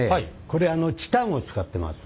これあのチタンを使ってます。